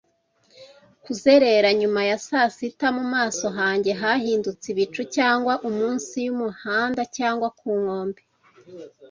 Kuzerera nyuma ya saa sita mu maso hanjye hahindutse ibicu, cyangwa munsi y'umuhanda cyangwa ku nkombe,